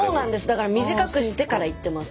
だから短くしてから行ってます